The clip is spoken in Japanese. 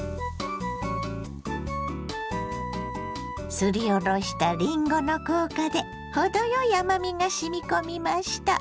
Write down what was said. すりおろしたりんごの効果で程よい甘みがしみ込みました。